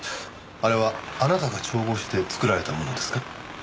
あれはあなたが調合して作られたものですか？